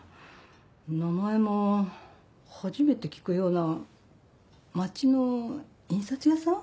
名前も初めて聞くような町の印刷屋さん？